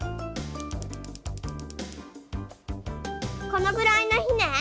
このぐらいのひね？